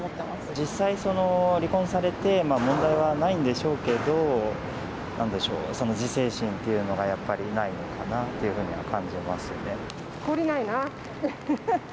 実際、離婚されて、問題はないんでしょうけど、なんでしょう、その自制心っていうのがやっぱりないのかなというふうには感じま懲りないな。